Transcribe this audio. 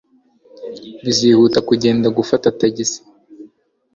Bizihuta kugenda kuruta gufata tagisi.